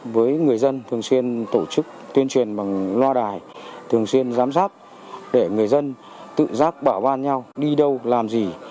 với người dân thường xuyên tổ chức tuyên truyền bằng loa đài thường xuyên giám sát để người dân tự giác bỏ van nhau đi đâu làm gì